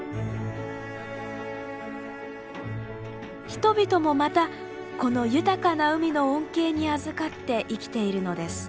人々もまたこの豊かな海の恩恵にあずかって生きているのです。